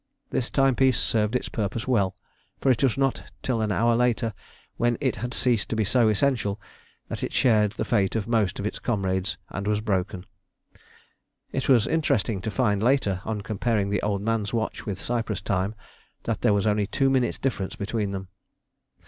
This timepiece served its purpose well, for it was not till an hour later, when it had ceased to be so essential, that it shared the fate of most of its comrades and was broken. It was interesting to find later, on comparing the Old Man's watch with Cyprus time, that there was only two minutes' difference between them.